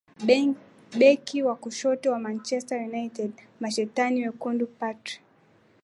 beki wa kushoto wa manchester united mashetani wekundu patri